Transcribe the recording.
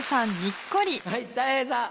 たい平さん。